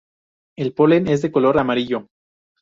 El polen es de color amarillo.